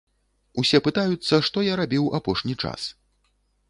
Усе пытаюцца, што я рабіў апошні час.